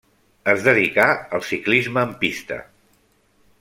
Es dedicà al ciclisme en pista.